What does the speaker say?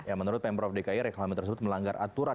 ya menurut pembrof dki reklama tersebut melanggar aturan